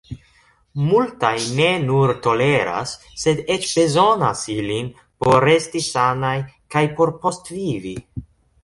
Multaj ne nur toleras, sed eĉ bezonas ilin por resti sanaj kaj por postvivi.